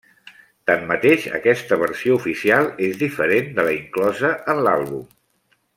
Tanmateix aquesta versió oficial és diferent de la inclosa en l'àlbum.